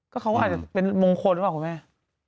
ก็เขาก็อาจจะเป็นมงคลหรือเปล่าคุณแม่